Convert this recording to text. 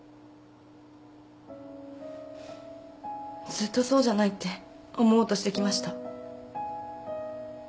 ずっとそうじゃないって思おうとしてきました。